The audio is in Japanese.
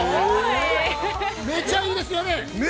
◆めちゃいいですよね。